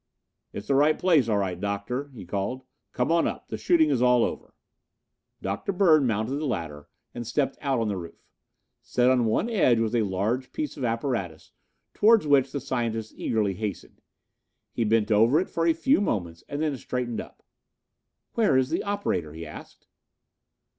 "It's the right place, all right, Doctor," he called. "Come on up, the shooting is all over." Dr. Bird mounted the ladder and stepped out on the roof. Set on one edge was a large piece of apparatus, toward which the scientist eagerly hastened. He bent over it for a few moments and then straightened up. "Where is the operator?" he asked.